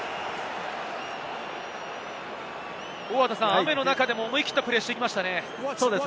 雨の中でも思い切ったプレーをしてきましたね。